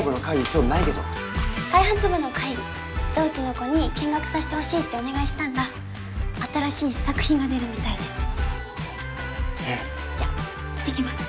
今日ないけど開発部の会議同期の子に見学させてほしいってお願いしたんだ新しい試作品が出るみたいでへえじゃあ行ってきます